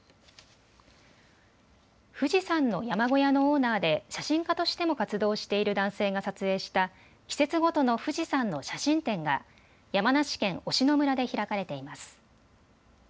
富士山の山小屋のオーナーで写真家としても活動している男性が撮影した季節ごとの富士山の写真展が山梨県忍野村で開かれています。